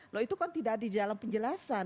loh itu kan tidak ada di dalam penjelasan